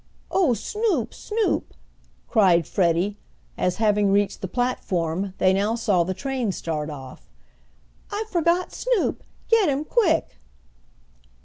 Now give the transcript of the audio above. "Oh, Snoop, Snoop!" cried Freddie as, having reached the platform, they now saw the train start off. "I forgot Snoop! Get him quick!"